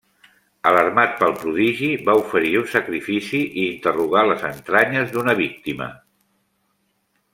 Alarmat pel prodigi, va oferir un sacrifici i interrogà les entranyes d'una víctima.